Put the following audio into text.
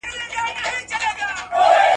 بیا به موسم سي د سروغوټیو .